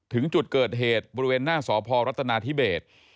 ถึงจุดเกิดเหตุบริเวณหน้าสพรัฐนาธิเบส